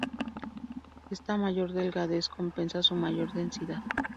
Esta mayor delgadez compensa su mayor densidad.